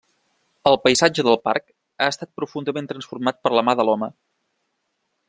El paisatge del Parc ha estat profundament transformat per la mà de l'home.